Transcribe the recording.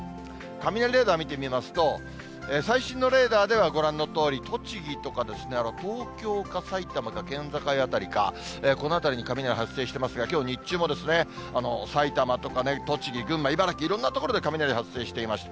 雷レーダー見てみますと、最新のレーダーではご覧のとおり、栃木とか、東京か、埼玉か、県境辺りか、この辺りに雷発生していますが、きょう日中も埼玉とか栃木、群馬、茨城、いろんな所で雷発生していました。